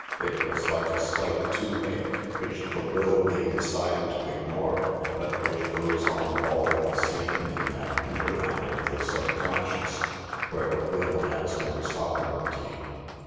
It was like a slight tooth ache which the will may decide to ignore but which goes on all the same in that hinterland of the subconscious where the will has no sovereignty.